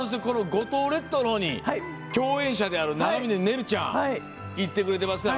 五島列島の方に共演者である長濱ねるちゃんが行ってくれてますね。